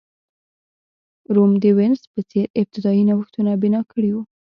روم د وینز په څېر ابتدايي نوښتونه بنا کړي وو.